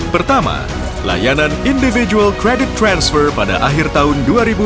pertama layanan individual credit transfer pada akhir tahun dua ribu dua puluh